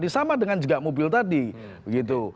sama dengan juga mobil tadi begitu